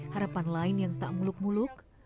harapan lain yang tak muluk muluk